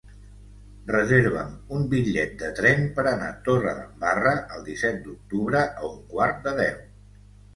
Reserva'm un bitllet de tren per anar a Torredembarra el disset d'octubre a un quart de deu.